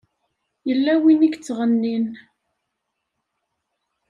Yella win i yettɣennin.